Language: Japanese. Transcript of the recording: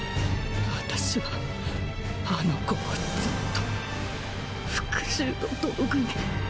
私はあの子をずっと復讐の道具に。